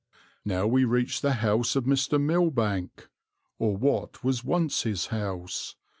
Now we reached the house of Mr. Milbank, or what was once his house